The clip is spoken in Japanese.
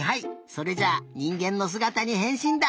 それじゃあにんげんのすがたにへんしんだ！